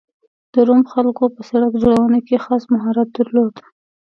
د روم خلکو په سړک جوړونه کې خاص مهارت درلود